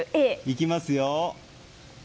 いきますよ。